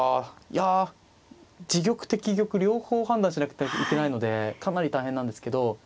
いや自玉敵玉両方判断しなくてはいけないのでかなり大変なんですけど。